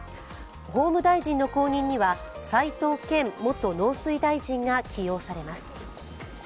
法務大臣の後任には齋藤健元農水大臣が起用されます。